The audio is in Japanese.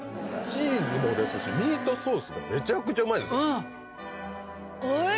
チーズもですしミートソースがめちゃくちゃうまいですうわっ！